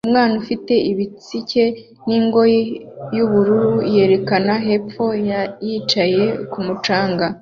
Umwana ufite ibitsike n'ingofero yubururu yerekana hepfo ya yicaye kumu canga